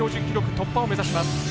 突破を目指します。